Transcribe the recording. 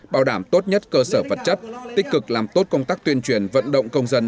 bảo đảm tốt nhất cơ sở vật chất tích cực làm tốt công tác tuyên truyền vận động công dân